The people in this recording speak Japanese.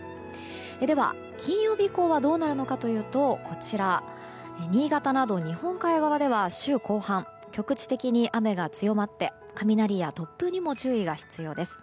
では、金曜日以降はどうなるのかというと新潟など日本海側では週後半、局地的に雨が強まって雷や突風にも注意が必要です。